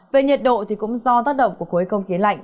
về nhiệt độ thì cũng do tác động của khối không khí lạnh